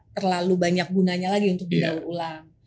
terlalu banyak gunanya lagi untuk didaur ulang